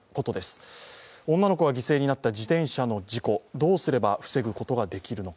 女の子が犠牲になった自転車の事故、どうすれば防ぐことができるのか。